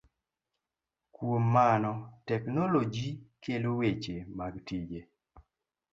Kuom mano teknoloji kelo weche mag tije.